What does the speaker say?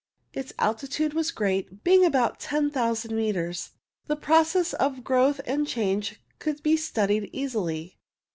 Its altitude was great, being about 10,000 metres. The processes of growth and change could be studied easily.